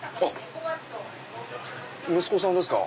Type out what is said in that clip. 息子さんですか？